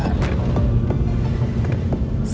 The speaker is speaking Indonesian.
saya pasti akan menang